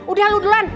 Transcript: udah lo duluan